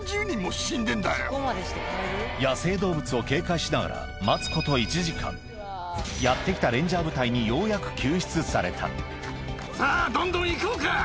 野生動物を警戒しながらやって来たレンジャー部隊にようやく救出されたさぁどんどん行こうか！